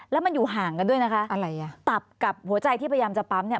แล้วมันอยู่ห่างกันด้วยนะคะอะไรอ่ะตับกับหัวใจที่พยายามจะปั๊มเนี่ย